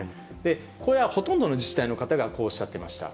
これはほとんどの自治体の方が、こうおっしゃっていました。